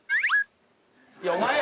いやお前や！